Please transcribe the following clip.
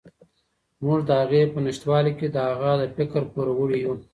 موږ د هغه په نشتوالي کې د هغه د فکر پوروړي یو.